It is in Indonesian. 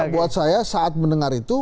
buat saya saat mendengar itu